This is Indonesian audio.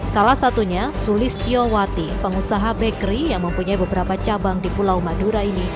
salah satunya sulistio wati pengusaha bakery yang mempunyai beberapa cabang di pulau madura ini